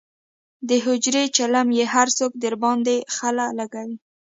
دحجرې چیلم یې هر څوک درباندې خله لکوي.